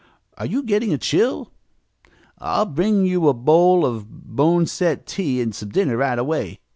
Are you getting a chill? I'll bring you a bowl of boneset tea and some dinner right away!"